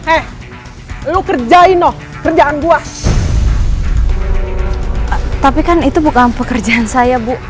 eh lu kerjain oh kerjaan gua tapi kan itu bukan pekerjaan saya